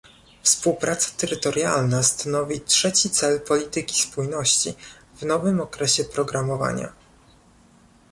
Współpraca terytorialna stanowi trzeci cel polityki spójności w nowym okresie programowania